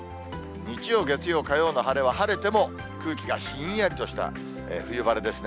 日曜、月曜、火曜の晴れは、晴れても空気がひんやりとした冬晴れですね。